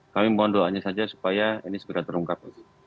kami mohon doanya saja supaya ini segera terungkap